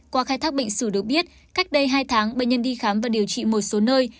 qua khai thác bệnh sử được biết cách đây hai tháng bệnh nhân đi khám và điều trị một số nơi